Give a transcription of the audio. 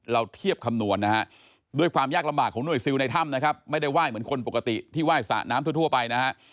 เราเทียบคำนวณนะฮะ